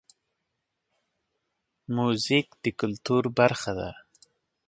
موزیک د کلتور برخه ده.